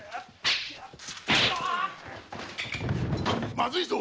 まずいぞ！